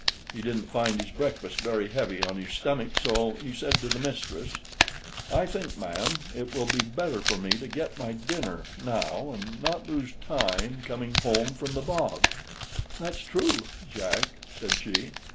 He didn't find his breakfast very heavy on his stomach; so he said to the mistress, "I think, ma'am, it will be better for me to get my dinner now, and not lose time coming home from the bog." "That's true, Jack," said she.